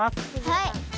はい。